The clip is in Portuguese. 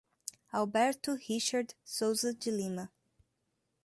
Alberto Richard Souza de Lima